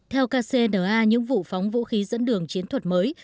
theo kcna những vụ phóng vũ khí dẫn đường chiến thuật mới